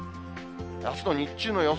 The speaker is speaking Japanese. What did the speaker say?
あすの日中の予想